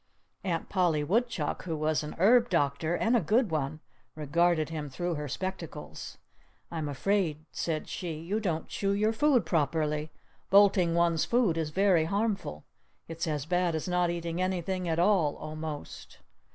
Aunt Polly Woodchuck, who was an herb doctor—and a good one—regarded him through her spectacles. "I'm afraid," said she, "you don't chew your food properly. Bolting one's food is very harmful. It's as bad as not eating anything at all, almost."